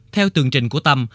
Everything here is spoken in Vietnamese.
theo tường trình của tâm